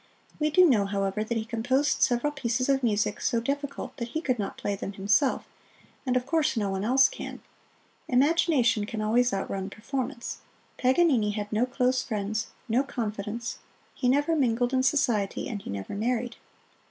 We do know, however, that he composed several pieces of music so difficult that he could not play them himself, and of course no one else can. Imagination can always outrun performance. Paganini had no close friends; no confidants: he never mingled in society, and he never married.